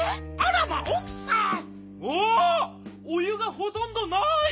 お湯がほとんどない！